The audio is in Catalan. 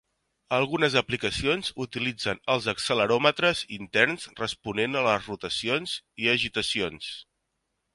Algunes aplicacions utilitzen els acceleròmetres interns responent a les rotacions i agitacions.